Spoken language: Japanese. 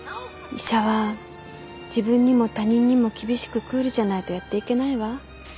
医者は自分にも他人にも厳しくクールじゃないとやっていけないわ。